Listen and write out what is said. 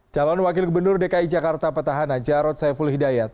jalan wakil kebenar dki jakarta petahana jarod saiful hidayat